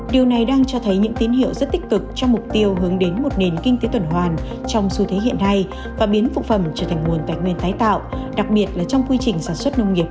điều này đang cho thấy những tín hiệu rất tích cực cho mục tiêu hướng đến một nền kinh tế tuần hoàn trong xu thế hiện nay và biến phụ phẩm trở thành nguồn tài nguyên tái tạo đặc biệt là trong quy trình sản xuất nông nghiệp